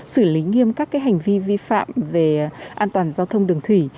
xử lý nghiêm các hành vi vi phạm về an toàn giao thông đường thủy